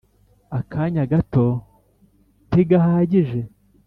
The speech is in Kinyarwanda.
akanya gato ntigahagije